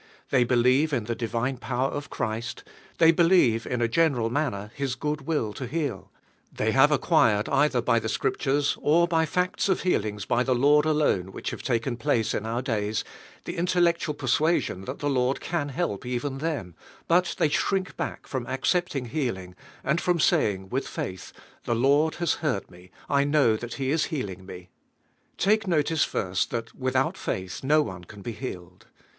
They believe in the divine power of Christ, they believe in a. general man ner His good will to heal; they have ac quired, either by the Scriptures, or by facts of healings by the Lord alone which have taken place in OUT days, the intel lectual persuasion that the Lord can help even them, but they shrink back from ac cepting healing, and from saying with faith, "The Lord has heard me, I know that He is healing me." Take notice first, that without faith no one can be healed.